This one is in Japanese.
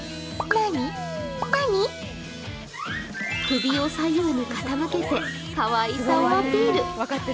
首を左右に傾けてかわいさをアピール。